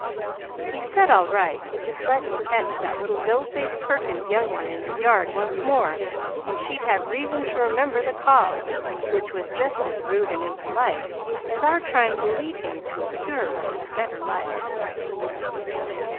He said all right, but just let him catch that little dough faced Perkins young one in his yard once more and she'd have reason to remember the call, which was just as rude and impolite as our trying to lead him to a purer and a better life.